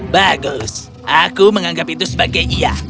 bagus aku menganggap itu sebagai iya